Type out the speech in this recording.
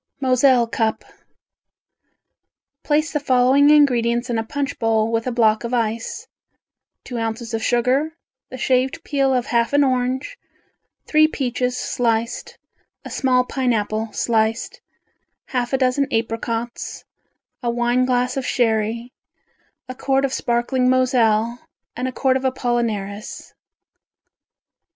Moselle Cup Place the following ingredients in a punch bowl, with a block of ice, two ounces of sugar, the shaved peel of half an orange, three peaches sliced, a small pineapple sliced, half a dozen apricots, a wine glass of sherry, a quart of sparkling Moselle and a quart of apollinaris.